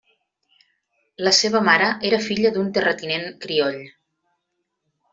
La seva mare era filla d'un terratinent crioll.